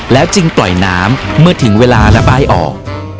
จึงปล่อยน้ำเมื่อถึงเวลาระบายออก